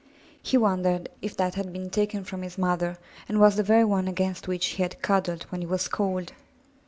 He wondered if that had been taken from his mother and was the very one against which he had cuddled when he was cold.